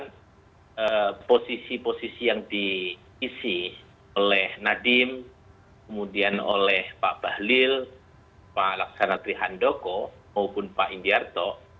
kemudian posisi posisi yang diisi oleh nadiem kemudian oleh pak bahlil pak laksana trihandoko maupun pak indiarto